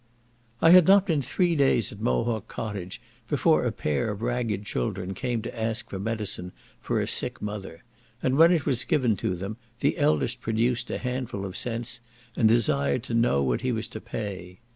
I had not been three days at Mohawk cottage before a pair of ragged children came to ask for medicine for a sick mother; and when it was given to them, the eldest produced a handful of cents, and desired to know what he was to pay.